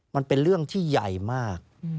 มันเป็นเรื่องที่ใหญ่มาก